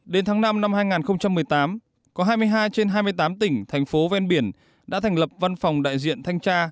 đến tháng năm năm hai nghìn một mươi tám có hai mươi hai trên hai mươi tám tỉnh thành phố ven biển đã thành lập văn phòng đại diện thanh tra